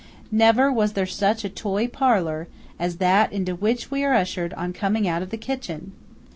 Never was there such a toy parlour as that into which we are ushered on coming out of the kitchen!